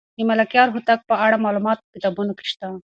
د ملکیار هوتک په اړه معلومات په کتابونو کې شته.